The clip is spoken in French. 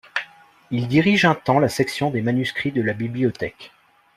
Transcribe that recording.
Il dirige un temps la section des manuscrits de la bibliothèque.